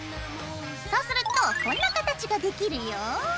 そうするとこんな形ができるよ。